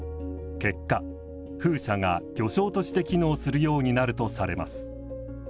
結果風車が漁礁として機能するようになるとされます。